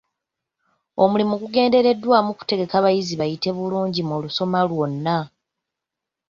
Omulimu gugendereddwamu kutegeka bayizi bayite bulungi mu lusoma lwonna.